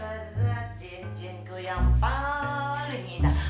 ra ra ra ra cincinku yang paling indah